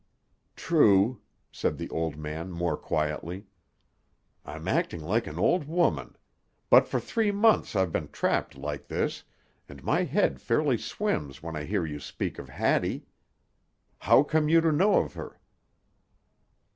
"True," said the old man more quietly. "I'm acting like an old woman. But for three months I've been trapped like this, and my head fairly swims when I hear you speak of Hattie. How come you to know of her?"